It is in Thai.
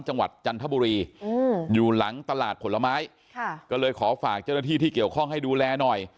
จันทบุรีอยู่หลังตลาดผลไม้ค่ะก็เลยขอฝากเจ้าหน้าที่ที่เกี่ยวข้องให้ดูแลหน่อย